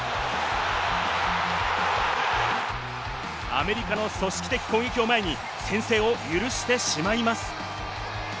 アメリカの組織的攻撃を前に先制を許してしまいます。